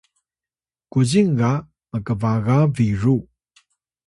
kuzing ga mkbaga biru